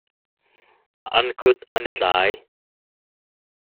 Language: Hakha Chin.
An kut an i tlai.